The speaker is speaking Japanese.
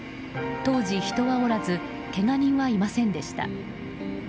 当時、人はおらずけが人はいませんでした。